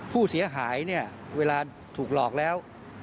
ผู้เสียหายเนี่ยเวลาถูกหลอกแล้ว